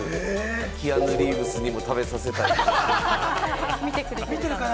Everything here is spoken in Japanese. キアヌ・リーブスにも食べさせたいグルメ。